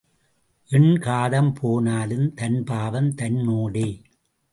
எண் காதம் போனாலும் தன் பாவம் தன்னோடே.